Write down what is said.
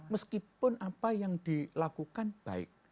meskipun apa yang dilakukan baik